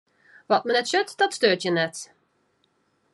Wat men net sjocht, dat steurt jin net.